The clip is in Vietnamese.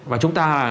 và chúng ta